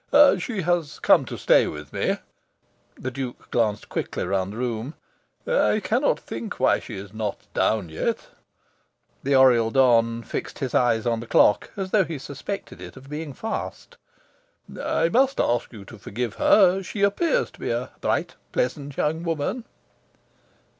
"She has come to stay with me." (The Duke glanced quickly round the room.) "I cannot think why she is not down yet." (The Oriel don fixed his eyes on the clock, as though he suspected it of being fast.) "I must ask you to forgive her. She appears to be a bright, pleasant young woman."